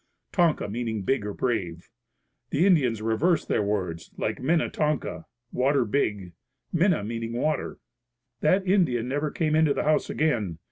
Tonka meaning big or brave. The Indians reversed their words, like Minnetonka water big Minne meaning water. That Indian never came into the house again.